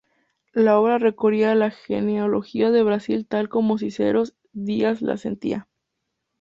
La obra recorría la genealogía de Brasil tal como Cícero Dias la sentía.